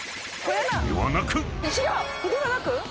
［ではなく］